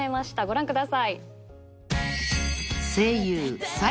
ご覧ください。